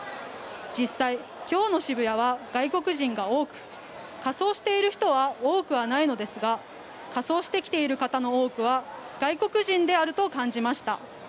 実際、今日の渋谷は外国人が多く仮装している人は多くはないのですが仮装してきている方の多くは外国人であると感じました。